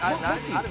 あれ。